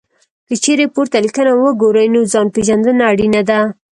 که چېرې پورته لیکنه وګورئ، نو ځان پېژندنه اړینه ده.